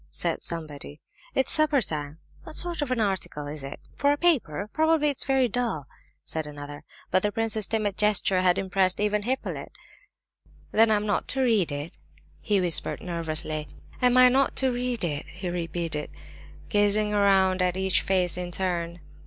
said somebody; "it's supper time." "What sort of an article is it? For a paper? Probably it's very dull," said another. But the prince's timid gesture had impressed even Hippolyte. "Then I'm not to read it?" he whispered, nervously. "Am I not to read it?" he repeated, gazing around at each face in turn.